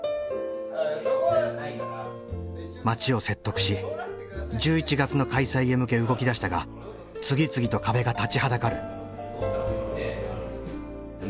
町を説得し１１月の開催へ向け動きだしたが次々と壁が立ちはだかる。